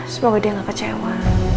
semoga dia nggak kecewa